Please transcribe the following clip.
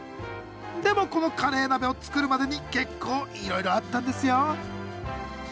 でもこのカレー鍋を作るまでに結構いろいろあったんですよ